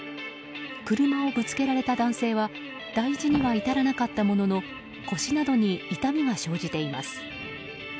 車をぶつけられた男性は大事には至らなかったものの腰などに痛みが生じています。